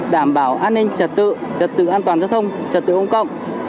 đảm bảo an ninh trật tự trật tự an toàn giao thông trật tự công cộng